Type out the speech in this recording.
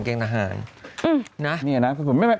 เม็ดแม่ค้างินหน่อยต้องถีบเต้อทีหนึ่ง